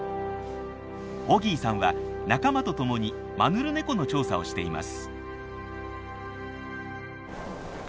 オギーさんは仲間とともにマヌルネコの調査をしています。